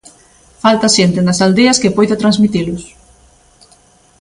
Falta xente nas aldeas que poida transmitilos.